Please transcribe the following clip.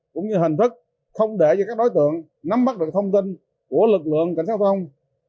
cũng như hình thức không để cho các đối tượng nắm mắt được thông tin của lực lượng cảnh sát giao thông